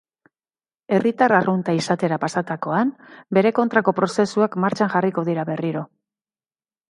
Herritar arrunta izatera pasatakoan bere kontrako prozesuak martxan jarriko dira berriro.